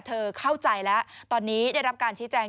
เข้าใจแล้วตอนนี้ได้รับการชี้แจง